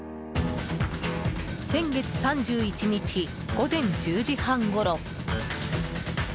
先月３１日、午前１０時半ごろ。